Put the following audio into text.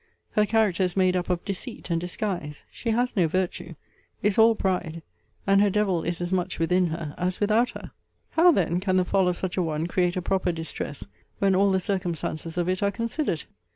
Her character is made up of deceit and disguise. She has no virtue; is all pride; and her devil is as much within her, as without her. How then can the fall of such a one create a proper distress, when all the circumstances of it are considered?